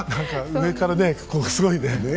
上からね、こう、すごいね。